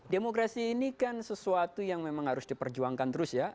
demokrasi ini kan sesuatu yang memang harus diperjuangkan terus ya